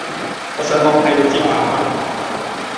我上網睇到之嘛